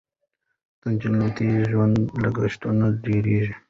تجملاتي ژوند لګښتونه ډېروي.